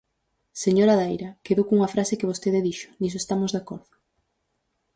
Señora Daira, quedo cunha frase que vostede dixo, niso estamos de acordo.